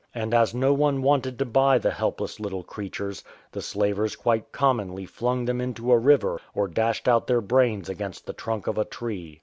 And as no one wanted to buy the helpless little creatures, the slavers quite commonly flung them into a river or dashed out their brains against the trunk of a tree.